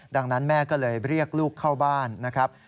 ดังนั้นแม่ก็เลยเรียกลูกเข้าบ้านนะครับ